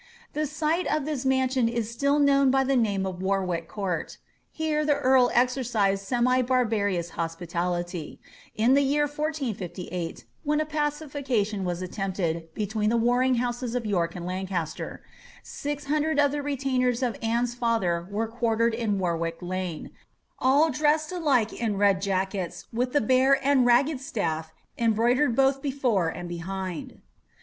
The site of this mansion is still known by the name of War^ wick Court Here the earl exercised semi barbarous hospiuility, in the year 1458,' when a pacification was attempted, between the warring houses of York and Lancaster ; six hundred of the retainers of Anne's &ther were quartered in Warwick Lane, ^ all dressed alike in red jackets, with the bear and ragged staflf embroidered both before and behind.